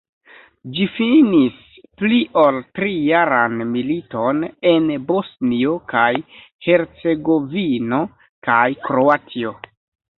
Ĝi finis pli-ol-tri-jaran militon en Bosnio kaj Hercegovino kaj Kroatio.